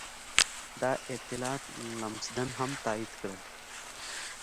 دا اطلاعات لمسډن هم تایید کړل.